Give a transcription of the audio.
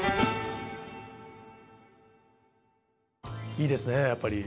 いいですねやっぱり。